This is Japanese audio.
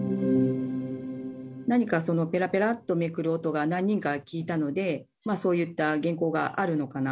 何かぺらぺらっとめくる音が、何人か聞いたので、まあ、そういった原稿があるのかな。